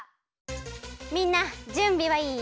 みんなじゅんびはいい？